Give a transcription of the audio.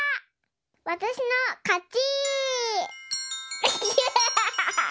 わたしのかち！